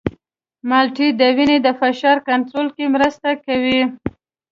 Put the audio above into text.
مالټې د وینې د فشار کنټرول کې مرسته کوي.